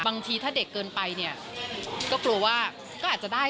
บางทีถ้าเด็กเกินไปเนี่ยก็กลัวว่าก็อาจจะได้